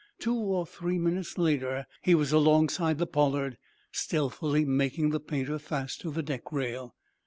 Two or three minutes later he was alongside the "Pollard," stealthily making the painter fast to the deck rail.